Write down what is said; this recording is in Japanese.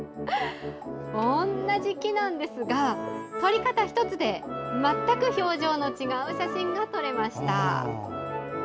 同じ木なんですが撮り方１つで全く表情の違う写真が撮れました。